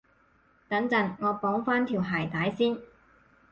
等陣，我綁返條鞋帶先